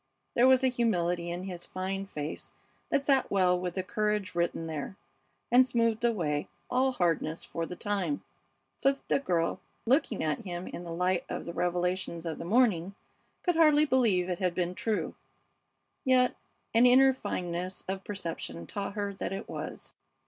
There was a humility in his fine face that sat well with the courage written there, and smoothed away all hardness for the time, so that the girl, looking at him in the light of the revelations of the morning, could hardly believe it had been true, yet an inner fineness of perception taught her that it was.